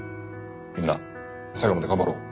みんな最後まで頑張ろう。